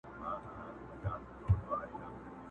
شرنګ د بلبلو په نغمو کي د سیالۍ نه راځي.!